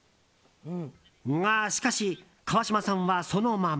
が、しかし川島さんはそのまま。